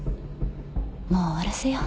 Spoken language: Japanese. もう終わらせよう。